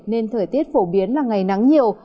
nên thời tiết phổ biến là ngày nắng nhiều